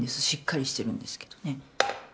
しっかりしてるんですけどね。